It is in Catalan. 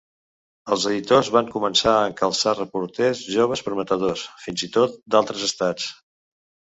Els editors van començar a encalçar reporters joves prometedors, fins i tot d'altres estats.